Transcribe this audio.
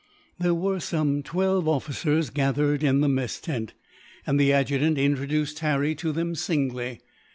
There were some twelve officers gathered in the mess tent, and the adjutant introduced Harry to them, singly.